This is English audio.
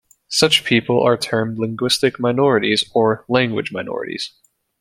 Such people are termed linguistic minorities or language minorities.